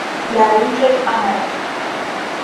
لا يوجد أمل.